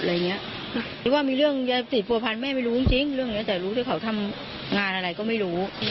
หรือว่ามีเรื่องสิทธิ์ภูมิภัณฑ์แม่ไม่รู้จริงแต่รู้ถ้าเขาทำงานอะไรก็ไม่รู้